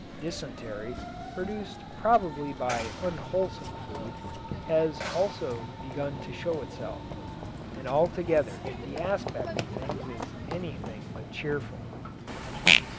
Dysentery, produced probably by unwholesome food, has also begun to show itself, and altogether the aspect of things is anything but cheerful.